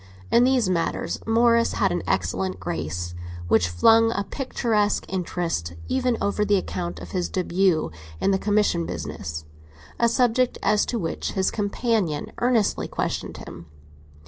In these matters Morris had an excellent grace, which flung a picturesque interest even over the account of his début in the commission business—a subject as to which his companion earnestly questioned him.